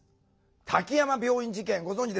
滝山病院事件ご存じですか？